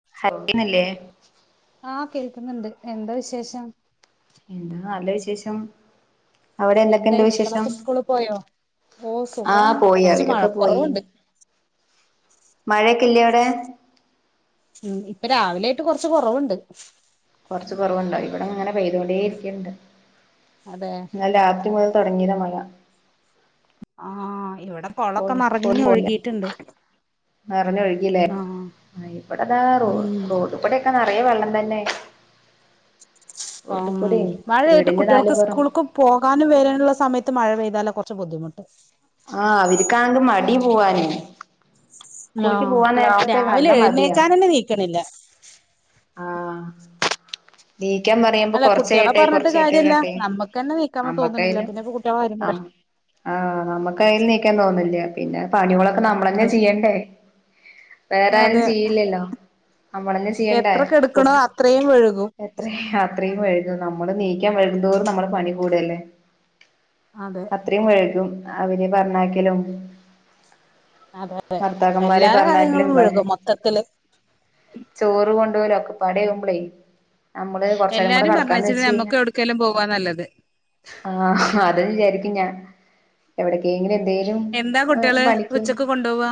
[inaudible] ആഹ കേൾക്കുന്നുണ്ട് എന്താ വിശേഷം? എന്താ നല്ല വിശേഷം അവിടെ എന്തൊക്കെ ഇണ്ട് എന്തായി വിശേഷം? മക്കളൊക്കെ സ്കൂളിൽ പോയോ ഓ ആഹ സുഖാണ് പോയി കുറച്ച് അവരൊക്കെ പോയി. മഴക്കുറവുണ്ട് മഴയൊക്കെ ഇല്ലേ അവിടെ? മ് ഇപ്പൊ രാവിലെ ആയിട്ട് കൊറച്ച് കൊറവുണ്ട്. കൊറച്ച് കൊറവ്ണ്ടോ ഇവിട ഇങ്ങനെ പെയ്തുകൊണ്ടേ ഇരിക്ക്ണ്ട്. അതെ. ഇന്നലെ രാത്രി മുതൽ തുടങ്ങിയതാ മഴ. ആഹ ഇവിടെ കുളൊക്കെ നറഞ്ഞൊഴുകിട്ടുണ്ട്. നറഞ്ഞൊഴുകില്ലേ ആഹ ഇവിടൊക്കെ റോ ഉം റോഡ്. ഇവിടൊക്കെ നിറേ വെള്ളം തന്നെ. ആഹ റോഡ് മ്മ് കൂടെയും മാഴയായിട്ട് വീടിന്റെ നാല് കുട്ടിൾക്ക് പൊറം സ്കൂൾക്കും. പോകാനും വരാനുള്ള സമയത്ത് മഴ പെയ്താല കൊറച്ച് ബുദ്ധിമുട്ട്. ആഹ അവർ കാണെങ്കി മടി പോവാ നെയ്. ആഹ നല്ല രാവിലെ മടിയാ എഴുന്നേക്കാനെന്നെ നീക്കണില്ല. ആഹ എണീക്കാൻ പറയുമ്പോ അല്ല കുട്ടികളെ കൊറച്ചഴിയട്ടെ പറഞ്ഞിട്ട് കൊറച്ചഴിയട്ടെ കാര്യല്ല പറഞ്ഞിട്ടെയ് നമ്മുക്ക് തന്നെ നീക്കാൻ തോന്നുന്നില്ല നമ്മക്കായാലും. പിന്നെ ഇപ്പോ കുട്ടികളെ കാര്യം പറ ആഹ നമ്മക്ക് ആയാലും നീക്കാൻ തോന്നില്ല പിന്നെ പണികളൊക്കെ നമ്മളന്നെ ചെയ്യണ്ടേ? വേറെ ആരും അതെ ചെയ്യില്ലല്ലോ നമ്മളന്നെ ചെയ്യണ്ടേ? എത്ര കെടുക്കണോ കുട്ടി അത്രയും വെയ്ക്കും എത്ര യാത്രയും വെയ്ക്കും നമ്മള് നീക്കാൻ വയ്ക്കുംന്തോറും നമ്മള് പണി കൂടല്ലേ അതെ വഴകും അവര് പറഞ്ഞാക്കലും അതെ ഭർത്താക്കന്മാരെ എല്ലാരെ കാര്യങ്ങളും പറണാക്കലും വിഴുകും മൊത്തത്തില് ചോറ് കൊണ്ട്വാലും ഒക്കെ പണിയവുമ്പളേ നമ്മള് കൊറച്നേരം കൂടെ എല്ലാരും കടക്കാന്ന് പറഞ്ഞയച്ചിട്ട് വെച്ച നമ്മുക്ക് കഴിഞ്ഞാൽ എവിടക്കേലും പോവാ നല്ലത് ആഹ അത വിചാരിക്കും ഞാൻ എവിടേക്കെങ്കിലും എന്തേലും എന്താ കുട്ടികള് പണിക്കൂ ഉച്ചക്ക് കൊണ്ടുപോവാ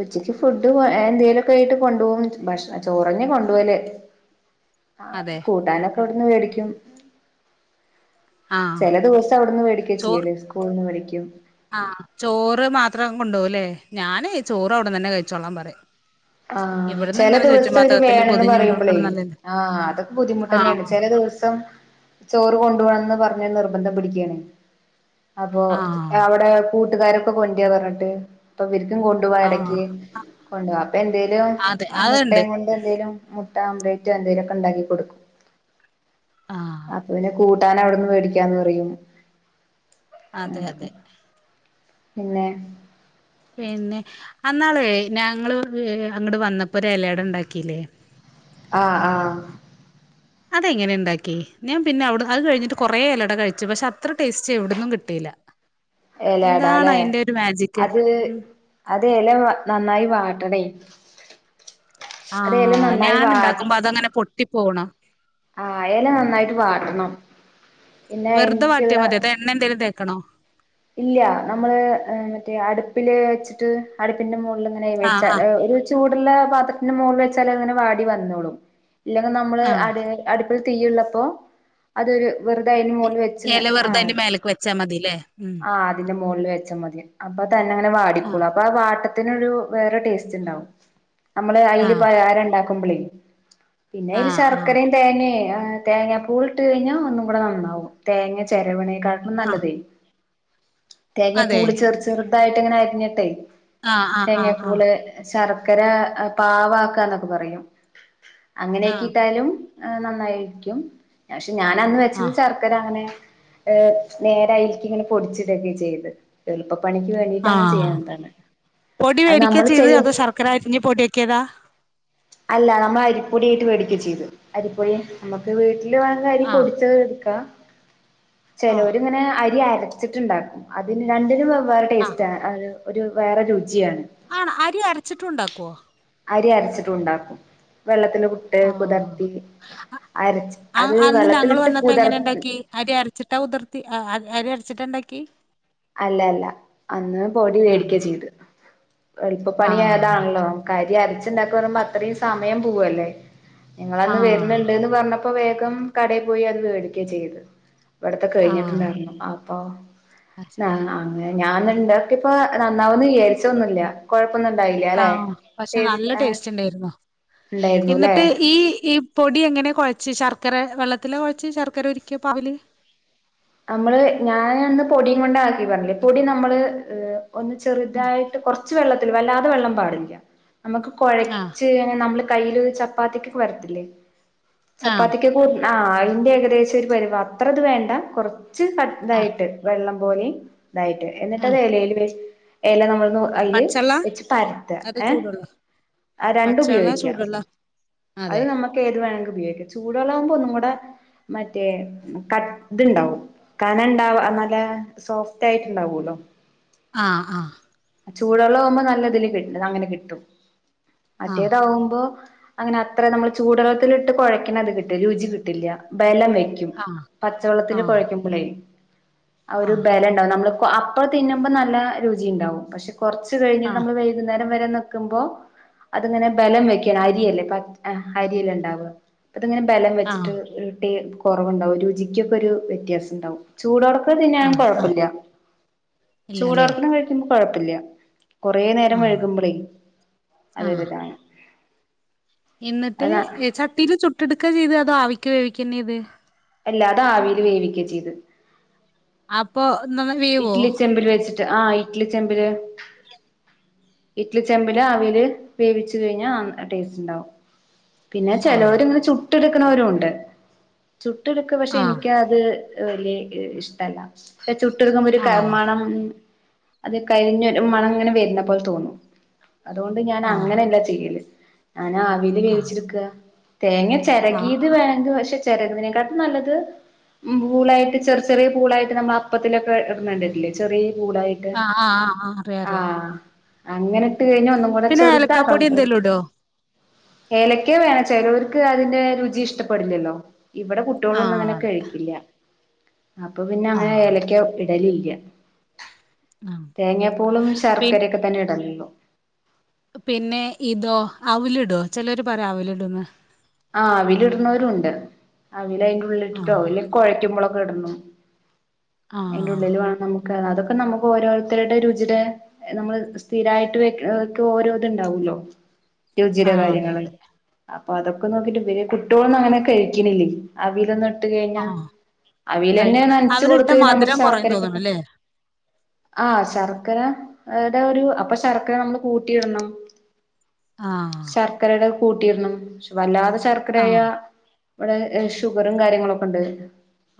ഉച്ചിക്ക് ഫുഡ് എന്തെലൊക്കെ ആയിട്ട് കൊണ്ടുപോകും ഭക്ഷണം ചോറനെ കൊണ്ടപോവല്ലേ ആ അതെ കൂട്ടാനൊക്കെ ആവിടുന്ന് മേടിക്കും ആഹ് ചില ദിവസം അവിടുന്ന് മേടിക്ക ചെയ്യല് ഫോൺ വിളിക്കും ആഹ ചോറ് മാത്രം കൊണ്ടുപോകുല്ലേ ഞാനേ ചോറ് അവിടുന് തന്നെ കഴിച്ചോളാൻ പറയും ആഹ ഇവിടുന്ന് ചില ഇങ്ങനെ ചുറ്റും ദിവസം ഒര് പാത്രത്തില് വേണന്ന് പൊതിഞ്ഞ് പറയുമ്പോളേ കൊണ്ടടുക്കണ നല്ലല്ലേ ആഹ അതൊക്കെ ബുദ്ധിമുട്ട് തന്നെയാണ് ആഹ് ചില ദിവസം ചോറ് കൊണ്ടു പോണംന്ന് പറഞ് നിർബന്ധം പിടിക്കാണ് അപ്പോ ആഹ് അവിടെ കൂട്ടുകാരൊക്കെ കൊറ്റ പറഞ്ഞിട്ട് ഇപ്പൊവർരിക്കും കൊണ്ടു പോവാ ആഹ് ഇടക്ക് കൊണ്ടു പോവാ അപ്പ എന്തേലും അതെ ആ അതുണ്ട് മുട്ടയും കൊണ്ട് എന്തേലും മുട്ട ആംബലേറ്റോ എന്തേലുമൊക്കെ ഉണ്ടാക്കി കൊടുക്കും ആഹ അപ്പൊ പിന്നെ കൂട്ടാൻ അവിടന്ന് മേടിക്കാന്ന് പറയും അതെ അതെ അങ്ങനൊക്കെ പിന്നെ പിന്നെ അന്നാള ഞങ്ങള് അങ്ങോട്ട് വന്നപ്പോ ഒരു ഇലട ഉണ്ടാക്കില്ലേ ആഹ് ആഹ അതെങ്ങനെ ഉണ്ടാക്കി ഞാൻ പിന്നെ അവിടെ അത് കഴിഞ്ഞിട്ട് കുറേ ഇലട കഴിച്ചു പക്ഷേ അത്ര ടേസ്റ്റ് എവിടന്നും കിട്ടിയില്ല എന്താണ് എലയടാല്ലേ അയിന്റെ ഒരു മാജിക് അത് ഉ അത് എല നന്നായി വാട്ടണേ അത് എല ആഹ് നന്നായി വാ ഞാന്ണ്ടാക്കുമ്പോ അതങ്ങനെ പൊട്ടി പോണ് ആഹ് എല നന്നായിട്ട് വാടണം പിന്നെ [unintelligible] എണ്ണന്തേലും തേക്കണോ ഇല്ല നമ്മള് ഏഹ് മറ്റേ അടുപ്പില് വെച്ചിട്ട് അടുപ്പിന്റെ മുകളില് അങ്ങനെ ആഹ് വെച്ചാ ആഹ് ഒരു ചൂടുള്ള പാത്രത്തിന്റെ മോളില് വെച്ചാ അങ്ങനെ വാടി വന്നോളും ഇല്ലെങ്ക് നമ്മള് ആഹ് അട് അടുപ്പില് തീയിള്ളപ്പോ അതൊരു വെറുത അയിന് മോളില് വെച്ച് ഇങ്ങ ആഹ് ച്ചാ മതീല്ലേ ഉം ആഹ് ആതിന്റെ മോളില് വെച്ചാ മതി അപ്പൊ തന്നെ അങ്ങനെ ആഹ് വാടിക്കോളും അപ്പ ആ വാട്ട ത്തിനൊരു വേറെ ടേസ്റ്റ് ഇണ്ടാവും നമ്മള് അയില് ആഹ് പലഹരം ഇണ്ടാക്കുമ്പളേ പിന്നെ അയില് ആഹ് ആഹ് ശർക്കരേം തേങ്ങേ ആഹ് തേങ്ങാ പൂളിട്ട് കഴിഞ്ഞാ ഒന്നും കൂടെ നന്നാവും തേങ്ങ ചെരവണേക്കാ ആഹ് നല്ലതേ അതെ തേങ്ങാപ്പൂള് ചെറു ചെറുതായിട്ട് ഇങ്ങനെ അരിഞ്ഞട്ടെ ആഹ് ആഹ് ആഹ് തേങ്ങാപ്പൂള് ശർക്കര ആഹ് പാവാക്ക എന്നൊക്കെ പറയും ആഹ് ആഹ് അങ്ങനെയാക്കീട്ടാലും ആഹ് നന്നായിരിക്കും പക്ഷെ ഞാൻ അന്ന് വെച്ചത് ആഹ് ചർ ക്കര അങ്ങനെ ഏഹ് നേരെ അയില്ക്ക് ഇങ്ങനെ പൊടിച്ചിടുവൊക്കെയാ ചെയ്തെ എളുപ്പപണിക്ക് വേണ്ടീട്ട് അങ്ങനെ ആഹ് ചെയ്യണതാണ് അത് നമ്മൾ ചെയ്യും [unintelligible] ഇഞ്ഞ് പൊടിയാക്കിയതാ അല്ല നമ്മള് അരിപ്പൊടി ആയിട്ട് വേടിക്കാ ചെയ്തെ അരിപ്പൊടി നമ്മക്ക് വീട്ടില് വേണങ്ക് അരി ആഹ് പൊടിച്ചത് എടുക്കാ ആഹ് ചെലോര് ഇങ്ങനെ അരി ആര രച്ചിട്ടുണ്ടാക്കും അതിന് രണ്ടിനും വെവ്വേറെ ടേസ്റ്റ് ആണ് ആഹ് ഒര് വേറെ രുചിയാണ് ആണോ അരി അരച്ചിട്ടുണ്ടാക്കോ? അരി അരച്ചിട്ടും ഉണ്ടാക്കും വെള്ളത്തിന്റെ കു ട്ട് ആഹ് കുതർത്തി അരച്ച് അ അത് അന്ന് ഞങ്ങള് വെള്ളത്തിലിട്ട് വന്നപ്പോ കുതർ എങ്ങനെ ഇണ്ടാക്കി അരി അരച്ചിട്ടാ കുതർത്തി അ അരി അരി അരച്ചിട്ടാണ്ടാക്കി അല്ല അല്ല അന്ന് പൊടി ആ വേടിക്കാ ചെയ്ത് ആ എൾപ്പപ്പണിയതാണല്ലോ അരി അരച്ച് ഇണ്ടാക്ക പറയുമ്പോ അത്രയും സമയം പോവല്ലേ ആ നിങ്ങളന്ന് വെര്ന്ന്ണ്ട്ന്ന് പറഞ്ഞപ്പ പ്പം വേഗം കടയിൽ പോയി അത് വേടിക്കാ ചെയ്ത് ഇവിടത്തെ ആ കഴിഞ്ഞിട്ട്ണ്ടാർന്നു അപ്പം അത് ശരി ആഹ് അങ്ങനെ ഞാനന്ന് ഇണ്ടാക്കിയപ്പോ നന്നാവൂന്ന് വിചാരിച്ചൊന്നുല്ല ആഹ് പക്ഷെ നല്ല ആ ടേസ്റ്റ് ഇണ്ടായിരുന്നു ഉണ്ടായിരുന്നുല്ലേ എന്നിട്ട് ഈ ഈ പ് പൊടി എങ്ങനെ കൊഴച്ചേ ശർക്കര വെള്ളത്തിലാ കൊഴച്ചേ ശർക്കര ഉരുക്കിയപ്പോ പാവില് അമ്മള് ഞാനന്ന് പൊടിയുകൊണ്ടാക്കി പറഞ്ഞില്ലേ പൊടി നമ്മള് ഏഹ് ഒന്ന് ഉം. ചെറുതായിട്ട് കൊർച്ച് വെള്ളത്തില് വല്ലാതെ വെള്ളം പാടില്ല നമ്മക്ക് ആ കൊഴച്ച് ഇങ്ങനെ നമ്മള് കയ്യില് ചപ്പാത്തിക്ക് പരത്തില്ലേ ആ ചപ്പാത്തിക്ക്കൂ ആഹ് അയിന്റെ ഏകദേശ ഒരു പരിവം അത്ര ഇത് വേണ്ട കൊറച്ച് കട്ട് ആ ഇതായിട്ട് വെള്ളം പോലേം ഇതായിട്ട് എന്നിട്ട് ആ അത് എലയില് വെച്ച് എല നമ്മള് നൂർ അയില് പച്ചള്ള വെച്ച് പരത്താ അത് ഏഹ് ചൂടുള്ള ആ രണ്ടും പച്ചള്ള ഉപയോഗിക്കാ ചൂടുള്ള അതെ [unintelligible] ഏത് വേണെങ്കി ഉപയോഗിക്കാം ചൂടുവെള്ളാവുമ്പോ ഒന്നും കൂടെ മറ്റേ കട്ട് ഇത്ണ്ടാവും കന ഇണ്ടാവ ആഹ് നല്ല സോഫ്റ്റായിട്ടുണ്ടാവോല്ലോ ആഹ് ആഹ് ചൂടള്ളാവുമ്പോ നല്ലതില് കിട്ടും അങ്ങനെ കിട്ടും ആ മറ്റേതാവുമ്പോ അങ്ങനെ അത്ര നമ്മള് ചൂടള്ളത്തിലിട്ട് കൊഴക്ക്ണ അത് കിട്ട രുചി കിട്ടില്ല ബലം വെക്ക് റ്റും ആ ആ പച്ചവെള്ളത്തില് കൊഴക്കുമ്പളെ അ ആ ഒരു ബലം നമ്മള് കൊ അപ്പോ തിന്നുമ്പോ നല്ല രുചിയിണ്ടാവും പക്ഷെ കൊറച്ച് കഴിഞ്ഞ് ആ നമ്മള് വെയ് യ്കുന്നേരം വരെ നിക്കുമ്പോ അത്ങ്ങനെ ബലം വെക്കാണ് അരിയല്ലേ പച്ച് ആഹ് അരിയല്ലെണ്ടാവാ അത്ങ്ങനെ ബലം ആ വെച്ചിട്ട് ഏ ട്ടെ കൊറവുണ്ടാവും രുചിക്കൊക്കൊരു വ്യത്യാസണ്ടാവും ചൂടോട്ക്ക ആ തിന്നാൻ ആ കൊഴപ്പി ല്ല ഇല്ലല്ലേ ചൂടോട്ക്കണ കഴിക്കുമ്പോ കൊഴപ്പി ല്ല കൊറേ നേരം ആ വഴുകുമ്പളേ ആ അതൊരുതാണ് എന്നിട്ട് ഏ ചട്ടീല് ചുട്ടെടുക്കാ ചെയ്തെ അതോ ആവിക്ക് വേവിക്കെന്നെയ്ത് അല്ലാതാവീല് വേവിക്കേം ചെയ്ത് അപ്പൊ എന്ന [unintelligible] വേവോ [inaudible] ആഹ് ഇഡ്ലി ചെമ്പില് ഇഡ്ലി ചെമ്പില് ആവീല് വേവിച്ച് കഴിഞ്ഞാ ആം ടേസ്റ്റ് ണ്ടാവും പിന്നെ ആ ചിലോര്ങ്ങനെ ചുട്ടെടുക്കുണോരുണ്ട് ചുട്ട് എടുക്ക് പക്ഷെ ആ എനിക്ക് അത് വലിയ ഇ ഇഷ്ട്ടല്ല ഏ ചുട്ടടുക്കുമ്പൊ ഒരു ക [inaudible] ആഹ് മണം അത് കരിഞ്ഞൊരു മണങ്ങനെ വര്ണപോലെ തോന്നും അതോണ്ട് ആഹ് ഞാനങ്ങനല്ല ചെയ്യല് ഞാനാവീല് ആഹ് വേവിച്ചെടുക്ക തേങ്ങ ആഹ് ചെരകീത് ആഹ് വേണങ്കി പക്ഷെ ചെരകുന്നതിനെ [inaudible] ട്ടും നല്ലത് പൂളായിട്ട് ചെർ ചെറേ പൂളായിട്ട് നമ്മൾ അപ്പത്തിലൊക്കെ ഇട്നെണ്ടിട്ടില്ലേ ചെറേ പൂളായിട്ട് ആഹ് ആഹ് ആഹ് അറിയ അറിയ ആഹ് അങ്ങനട്ട് കഴിഞ്ഞ ഒന്നും കൂടെ പിന്നെ ചെറുതാക്കണം ഏലക്കാപ്പൊടി എന്തേലും [inaudible] ഇടോ ഏലക്കെ വേണം ചെലോര്ക്ക് അതിന്റെ രുചി ഇഷ്ട്ടപ്പെടില്ലല്ലോ ഇവിടെ കു ട്ട്യോളൊന്നും ആഹ് അങ്ങനെ അതെ കഴിക്കില്ല അപ്പൊ പിന്നങ്ങനെ ആഹ് ഏലക്ക ഇടലില്ല ആഹ് തേങ്ങാപ്പൂളും പി ശർക്കരൊക്കെ തന്നെ ഇടലൊള്ളു പിന്നെ ഇതോ അവ് ലിടോ ചെലോര് പറയും അവിലിടോന്ന്‌ ആ അവിലിടുണോരുണ്ട് അവില് അയിന്റെ ഉള്ളിട്ടിട്ട് ആഹ് അവില് കൊഴക്കുമ്പോളൊക്കെ ഇടണം അതിന്റെ ആഹ് ഉള്ളിൽ വേണം നമുക്ക് അതൊക്കെ നമുക്ക് ഓരോരുത്തരുടെ രുചിടെ നമ്മള് സ്ഥിരായിട്ട് വെക്ക ഓരോന്ന് ഇണ്ടാവൂല്ലോ രുചിടെ ആഹ് അതെ കാര്യങ്ങള് അതെ അപ്പൊ അതൊക്കെ നോക്കിട്ട് ഇവര് കുട്ടികളൊന്നും അങ്ങനെ കഴിക്കണില്ലേ അവിലൊന്ന് ഇട്ട് കഴിഞ്ഞാ ആഹ് അവിലന്നെ കഴിക്കും നനച്ച് അവലിട്ട കൊടുത്ത് നമ്മൾ മധുരം കുറയും ശർക്കരക്കെട്ട് തോന്നുണുല്ലേ ആ ശർക്കര ട ഒരു അപ്പൊ ശർക്കര നമ്മള് കൂട്ടിയിടണം ആഹ് ശർക്കരടെ കൂട്ടിയിടണം വല്ലാതെ ശർക്കര ആയ ആഹ് ഇവിടെ ഷുഗറും കാര്യങ്ങളൊക്കെ ഉണ്ട്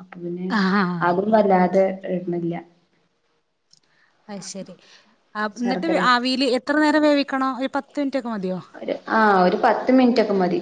അപ്പൊ പിന്നെ ആഹ് അതും വല്ലാതെ ഇട്ണില്ല അത് ശരി എന്നിട്ട് ശർക്കര ആവിൽ എത്ര നേരം വേവിക്കണോ ഒരു പത്ത് മിനിറ്റ് ഒക്കെ മതിയോ ഒരു ആ ഒരു പത്ത് മിനിറ്റൊക്കെ മതി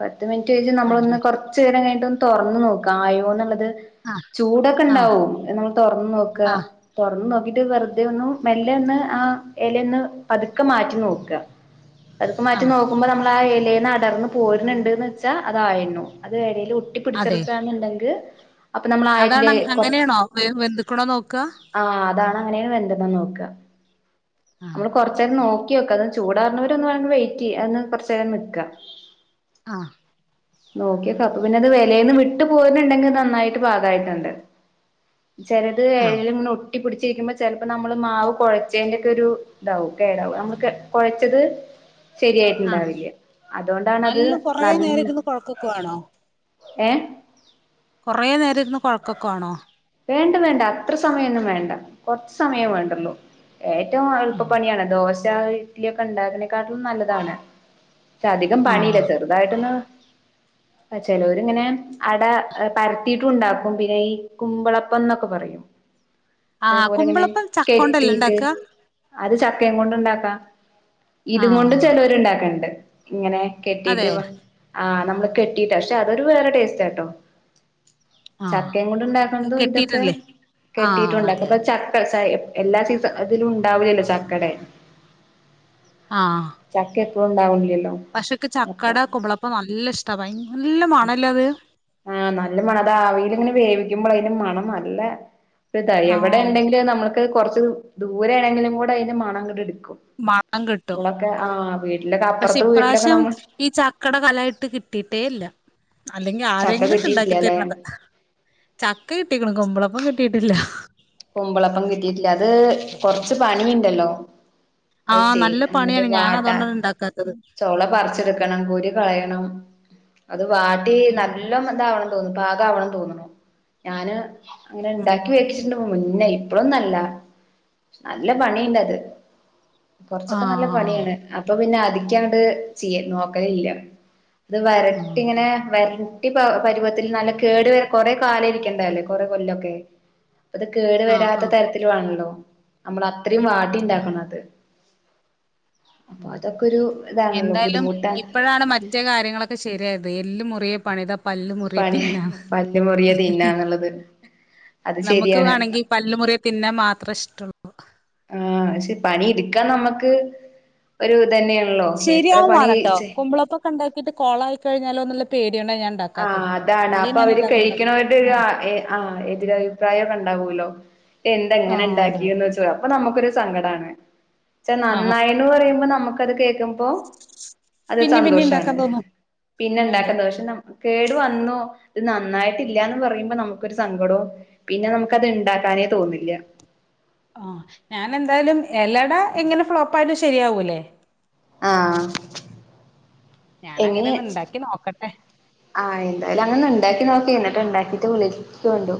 പത്ത് മിനിറ്റ് കഴിഞ്ഞ് നമ്മളൊന്ന് അതെല്ലേ കൊറ ച്ച്നേരം കഴിഞ്ഞിട്ട് ഒന്ന് തുറന്നു നോക്കആയോ എന്നുള്ളത് ആഹ് ചൂടൊക്കെ ആഹ് ഉണ്ടാവും എന്നമ്മള് തൊറന്ന് നോക്ക ആഹ് തൊറന്നു നോക്കിട്ട് വെറുതെ ഒന്ന്‌ മെല്ലെ ഒന്ന് ആ ഇല ഒന്ന് പതുക്കെ മാറ്റി നോക്ക അതൊക്കെ മാറ്റി ആഹ് നോക്കുമ്പൊ നമ്മള് ആ ഇലയിന്ന് അടർന്ന് പോരുന്നുണ്ട്ന്ന് വെച്ചാൽ അതായിന്നു അത് എലയിൽ ഒട്ടി അതെ പിടിച്ചെറുക്കാന്നുണ്ടെങ്ക് അതാണ് അങ്ങനെയാണോ വേവ് വെന്ത്ക്കണോന്ന്‌ നോക്ക ആ അതാണ് അങ്ങനെയാണ് വെന്തെക്കെന്ന് നോക്കാ ആഹ് നമ്മള് കൊറച്ച് നേരം ഓക്കെ നോക്കി വെക്ക അത് ചൂടാ പുട്ടൊന്ന് വേകുന്നടം വരെ വെയ്റ്റ് ചെയ്യ് അതൊന്ന് കുറച്ച് നേരം വെക്ക്ക ആ നോക്കിയപ്പം അപ്പ പിന്നെ അത് ഇലയിൽന്ന് വിട്ട് പോരുന്നുണ്ടെങ്കിൽ നന്നായിട്ട് പാകായിട്ടുണ്ട് സംസാരം ക്ലിയർ അല്ല ചെലത് എലയിൽ ഇങ്ങനെ ഒട്ടി പിടിച്ചിരിക്കുമ്പോൾ ചെലപ്പോ നമ്മള് മാവ് കൊഴച്ചതിന്റെ ഒക്കെ ഒരു ഇതാവും കേടാവും മ്മള് കൊഴച്ചത് ആഹ് ശരിയായിട്ടുണ്ടാവില്ല്യ അതുകൊണ്ടാണത് നല്ല കൊറേ നേരം നല്ല ഇരുന്ന് കൊഴക്കുവാണോ ഏ കൊറെ നേരം ഇരുന്ന് കൊഴക്കൊക്ക വേണോ വേണ്ട വേണ്ട അത്ര സമയം ഒന്നും വേണ്ട കൊറച്ച് സമയം വേണ്ടൊള്ളു ഏറ്റവും ആഹ് എളുപ്പപ്പണിയാണത് ദോശ ഇഡലിയും ഒക്കെ ഉണ്ടാക്കണതിനേക്കാട്ടിലും നല്ലതാണ് ഇത് അധികം ആഹ് പണിയില്ലത് ചെറുതായിട്ടൊന്ന് ചെലവരിങ്ങനെ അട പരത്തിട്ടും ഉണ്ടാക്കും പിന്നെ ഈ കുമ്പളപ്പം എന്നൊക്കെ പറയും ആഹ് അതേപോലെ ഇങ്ങനെ കുമ്പളപ്പം ചക്കോണ്ടല്ലേ കെട്ടീട്ട് ഇണ്ടാക്ക അത് ചക്കയും കൊണ്ട് ഉണ്ടാക്കാം ഇതും കൊണ്ടും ആഹ് ചെലവര് ഇണ്ടാക്കണ്ട് ഇങ്ങനെ കെട്ടിട്ട് അതെ ആഹ് നമ്മള് കെട്ടിട്ട് പക്ഷെ അതൊരു വേറെ ടേസ്റ്റട്ടോ ചക്കയും കൊണ്ട് ആഹ് ഉണ്ടാക്കുന്നതും ഇതൊക്കെ കെട്ടിയിട്ടല്ലേ ആഹ് കെട്ടിയിട്ടുണ്ടാക്കും അതെ അപ്പൊ അതെ ചക്ക ചക്ക അട എന്ന് വെച്ചാ എല്ലാ സീസണിലും അതിലും ഉണ്ടാവില്ലല്ലോ ചക്കട ആഹ് ചക്കെ എപ്പഴുണ്ടാവില്ലല്ലോ പക്ഷെക്ക് ചക്കട കുമ്പളപ്പം നല്ല ഇഷ്ട ഭയ നല്ല മണല്ലേ അത് ആഹ് നല്ല മണം അത് ആവിൽ ഇങ്ങനെ വേവിക്കുമ്പോൾ അതിൻ്റെ മണം നല്ല ഇത് എവിടെ ആഹ് ഉണ്ടെങ്കിലും നമ്മക്ക് കുറച്ച് ദൂരെ ആണെങ്കിലും കൂടെ ഇതിന്റെ മണം ഇങ്ങട്ട് എടുക്കും മണം കിട്ടും നമ്മളൊക്കെ ആഹ് വീട്ടിലൊക്കെ പക്ഷെ അപ്പുറത്ത് വീട്ടിലൊക്കെ ഇപ്രാവശ്യം നമ്മൾ ഈ ചക്കട കാലായിട്ട് കിട്ടിയിട്ടേ ഇല്ല അല്ലെങ്കി ചക്ക ആരെങ്കിലുംക്കെ ഉണ്ടാക്കി കിട്ടിയിട്ടില്ലല്ലെ തരുന്നത ചക്ക കിട്ടിക്ക്ണു കുമ്പളപ്പം കിട്ടിയിട്ടില്ല കുമ്പളപ്പം കിട്ടിയിട്ടില്ല അത് കൊറച്ച് പണിയുണ്ടല്ലോ അത് ആഹ് ചെയ്യ് നല്ല എന്നിട്ട് പണിയാണ് ഞാൻ വാട്ടാ അതുകൊണ്ടാണ് ഉണ്ടാക്കാത്തത് ചൊള പറിച്ചെടുക്കണം കുരു കളയണം അത് വാട്ടി ആഹ് നല്ലോ എന്താവണം തോൽപാകണം തോന്നണു ഞാന് അങ്ങനെ ഉം ഇണ്ടാക്കി വെച്ചി മുന്നേ ഇപ്പഴൊന്നല്ല നല്ല പണിയുണ്ട് അത് കൊറച്ചൊക്കെ നല്ല ആഹ് പണിയാണ് അപ്പൊ പിന്നെ അധികം അങ്ങട്ട് ചെയ്യ നോക്കലില്ല ഇത് വരട്ടി ഇങ്ങനെ ആഹ് വര ഈ പരിവത്തിൽ നല്ല കേട് വര കൊറെ കാലം ഇരിക്കേണ്ട അല്ലേ കൊറെ കൊല്ലൊക്കെ അത് കേട് ആഹ് വരാത്ത ആഹ് തരത്തിൽ വേണല്ലോ നമ്മൾ അത്രയും വാട്ടിണ്ടാക്കണം അത് അപ്പൊ ഉം അതൊക്കെ ഒരു ഇതാണല്ലോ ബുദ്ധിമുട്ടാ ചില കാര്യങ്ങളൊക്കെ ശരിയാരുന്നു എല്ലു മുറിയെ പണിത പല്ല് മുറിയെ പണി തിന്നാം പല്ല് മുറിയെ തിന്നാന്നുള്ളത് അത് നമുക്ക് ശരിയാണ് വേണെങ്കി പല്ല് മുറിയെ തിന്നാൻ മാത്രേ ഇഷ്ടള്ളൂ ആഹ് പക്ഷെ പണി ഇടുക്കാൻ നമുക്ക് ഒരു ഇതന്നെ ശരിയാവും വേണട്ടോ കൊമ്പളൊപ്പൊക്കെ ഉണ്ടാക്കിയിട്ട് കോളായി കഴിഞ്ഞാലോ എന്ന പേടിയോണ്ട ഞാൻ ആഹ് ഉണ്ടാക്കാത്തത് അതാണ് അല്ലേ അപ്പൊ ഞാൻ അവര് എല്ലാതും ഉണ്ടാക്കും കഴിക്കുന്നവരുടെ ഒരു ആഹ് ഏ ആഹ് എതിരഭിപ്രായം ഒക്കെ ഉണ്ടാവല്ലോ എന്താ ഇങ്ങനെ ആഹ് അതെ അതെ ഉണ്ടാക്കിയന്ന് ചോദി അപ്പൊ നമുക്കൊരു സങ്കടണ് ച്ച ആഹ് നന്നായിന്ന് പറയുമ്പോ നമുക്കത് കേക്കുമ്പോ [inaudible] അത് പിന്നിം സന്തോഷാണ് ഉണ്ടാക്കാൻ തോന്നും പിന്നെ അതെ ഉണ്ടാക്കാന്തോഷണം കേടു വന്നു ഇത് നന്നായിട്ടില്ലാന്ന് പറയുമ്പോ നമുക്കൊരു സങ്കടവും പിന്നെ നമുക്കത് ഇണ്ടാക്കാനേ തോന്നില്ല ആഹ് ഞാനെന്തായാലും എലട എങ്ങനെ ഫ്ലോപ്പായാലും ശരിയാവൂല്ലേ ആഹ് ഞാൻ അങ്ങനെ എങ്ങനെ ഒന്ന് ഉണ്ടാക്കി നോക്കട്ടെ ആഹ് എന്തായാലും അങ്ങനെ ഉണ്ടാക്കി നോക്കി എന്നിട്ട് ഉണ്ടാക്കിട്ട് വിളിക്കൊണ്ടു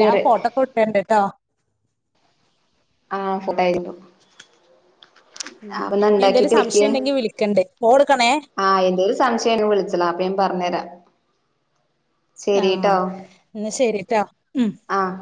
ഞാൻ ഫോട്ടോക്കെ വിട്ട് തരണ്ട് ട്ടോ ആഹ് സുഖായിരുന്നു ഉം എന്തേലും വെക്ക് സംശയം ഉണ്ടെങ്കിൽ വിളിക്കണ്ട് ഫോണ് എടുക്കണേ ആഹ് എന്തേലും സംശയം വിളിച്ചാളാ അപ്പൊ ഞാൻ പറഞ്ഞുതരാം ആഹ് ഇന്നാ ശരിട്ടാ ഉം ആഹ്